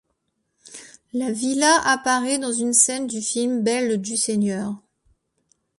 La villa apparaît dans une scène du film Belle du Seigneur.